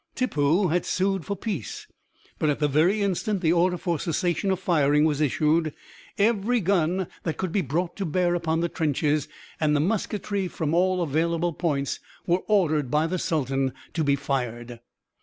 Tippoo had sued for peace; but at the very instant the order for cessation of firing was issued, every gun that could be brought to bear upon the trenches, and the musketry from all available points, were ordered by the sultan to be fired.